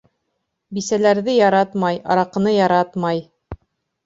Бисәләрҙе яратмай, араҡыны яратмай.